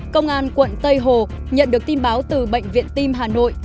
công an quận tây hồ nhận được tin báo từ bệnh viện tim hà nội